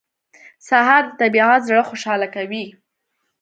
سهار د طبیعت زړه خوشاله کوي.